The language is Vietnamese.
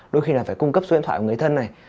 đôi khi là phải cung cấp số điện thoại của người thân này